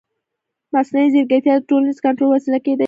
مصنوعي ځیرکتیا د ټولنیز کنټرول وسیله کېدای شي.